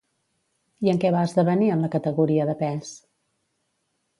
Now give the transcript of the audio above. I en què va esdevenir en la categoria de pes?